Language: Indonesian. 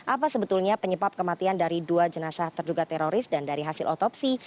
apa sebetulnya penyebab kematian dari dua jenazah terduga teroris dan dari hasil otopsi